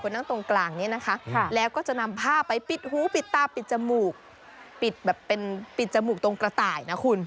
คุณนั่งตรงกลางนี้แล้วก็จะนำภาพไปปิดหูปิดตาปิดจมูกปิดจมูกตรงกระต่ายนะคุณ